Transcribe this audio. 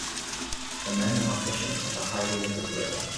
The men are fishing at a highly littered river.